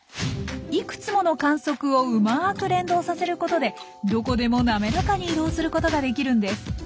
いくつもの管足をうまく連動させることでどこでも滑らかに移動することができるんです。